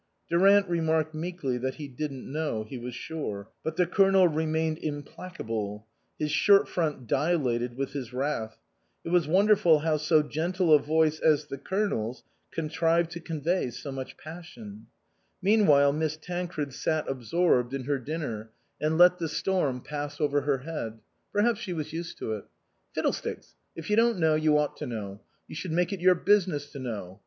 Durant remarked meekly that he didn't know, he was sure. But the Colonel remained implac able ; his shirt front dilated with his wrath ; it was wonderful how so gentle a voice as the Colonel's contrived to convey so much passion. Meanwhile Miss Tancred sat absorbed in her 19 THE COSMOPOLITAN dinner and let the storm pass over her head. Perhaps she was used to it. " Fiddlesticks ! If you don't know, you ought to know ; you should make it your business to know.